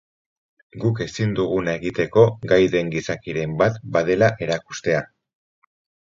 Guk ezin duguna egiteko gai den gizakiren bat badela erakustea.